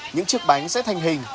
những chiếc bánh sẽ thanh hình